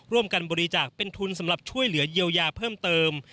ร่วมกันบริจาคเป็นทุนสำหรับช่วยเหลือเยียวยาเพิ่มเติม